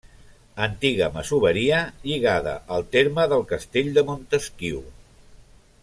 Antiga masoveria lligada al terme del castell de Montesquiu.